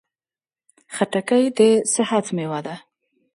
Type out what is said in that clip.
خټکی د صحت مېوه ده.